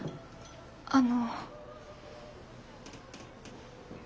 あの。